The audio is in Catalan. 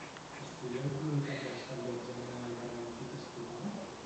Es podien comunicar amb els que viatjaven en el bergantí que s'apropava?